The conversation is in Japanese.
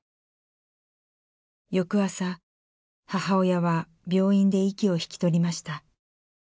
翌朝母親は病院で息を引き取りました。